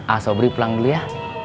asobri pulang dulu ya